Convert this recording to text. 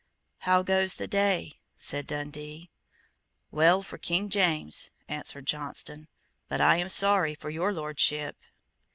"How goes the day?" said Dundee. "Well for King James;" answered Johnstone: "but I am sorry for Your Lordship."